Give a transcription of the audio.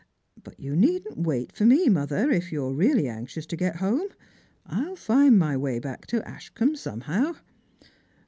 But you needn't wait for me, mother, if you're really anxious to get home. I'll find my way back to Ashcombe somehow."